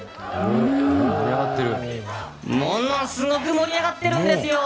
ものすごく盛り上がってるんですよ。